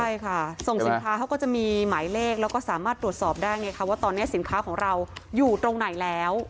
ใช่ค่ะส่งสินค้าเขาก็จะมีหมายเลขแล้วก็สามารถตรวจสอบได้ไงคะว่าตอนนี้สินค้าของเราอยู่ตรงไหนแล้ว